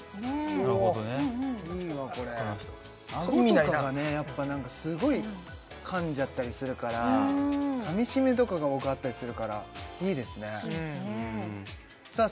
なるほどねいいわこれあごとかがねやっぱすごい噛んじゃったりするから噛みしめとかが多かったりするからいいですねさあ